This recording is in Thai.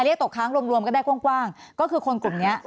เรียกตกค้างรวมกันได้กว้างก็คือคนกลุ่มนี้